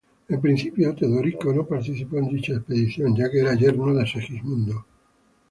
En principio, Teodorico no participó en dicha expedición, ya que era yerno de Segismundo.